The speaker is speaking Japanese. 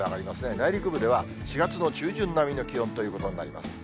内陸部では、４月の中旬並みの気温ということになります。